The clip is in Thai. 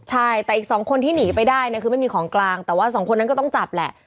ใช่แต่อีกสองคนที่หนีไปได้เนี่ยคือไม่มีของกลางแต่ว่าสองคนนั้นก็ต้องจับแหละ